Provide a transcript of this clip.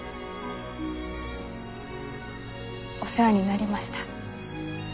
お世話になりました。